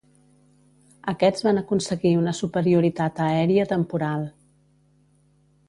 Aquests van aconseguir una superioritat aèria temporal.